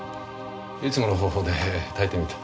いつもの方法で炊いてみた。